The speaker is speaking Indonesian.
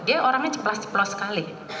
dia orangnya ceplas ceplos sekali